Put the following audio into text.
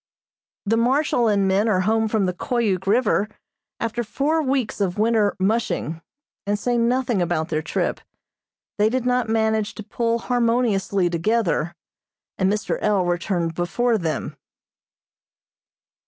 The Marshal and men are home from the Koyuk River, after four weeks of winter "mushing," and say nothing about their trip. They did not manage to pull harmoniously together, and Mr. L. returned before them.